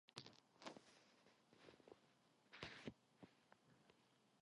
그는 마음이 두근거려지며 머리속에는 도적이라는 것까지 연상이 되었다.